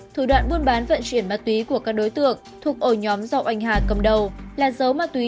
thủ đoạn buôn bán vận chuyển ma túy của các đối tượng thuộc ổ nhóm do oanh hà cầm đầu là giấu ma túy